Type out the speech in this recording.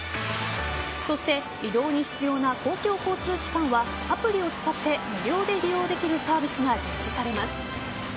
そして、移動に必要な公共交通機関はアプリを使って無料で利用できるサービスが実施されます。